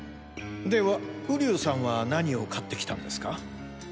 では瓜生さんは何を買って来たんですか？